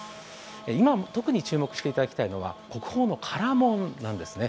今、特に注目していただきたいのが国宝の唐門なんですね。